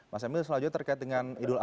mas emil selanjutnya terkait dengan idul ad